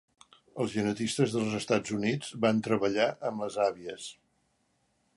Els genetistes dels Estats Units van treballar amb les Àvies.